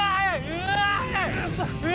うわ！